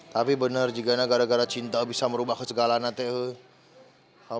tapi benar jika gara gara cinta bisa merubah ke segala nanti